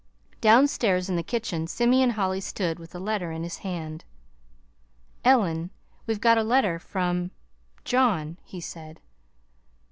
Downstairs in the kitchen, Simeon Holly stood, with the letter in his hand. "Ellen, we've got a letter from John," he said.